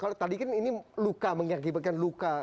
kalau tadi kan ini luka mengakibatkan luka